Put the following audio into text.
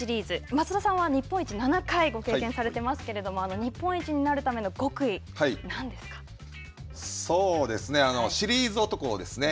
松田さんは、日本一、７回、ご経験されていますけど、日本一になるための極意シリーズ男ですね。